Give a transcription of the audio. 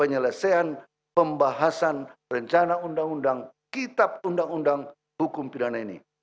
penyelesaian pembahasan rencana undang undang kitab undang undang hukum pidana ini